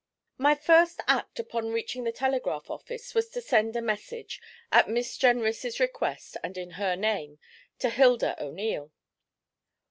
My first act upon reaching the telegraph office was to send a message, at Miss Jenrys' request and in her name, to Hilda O'Neil.